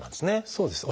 そうです。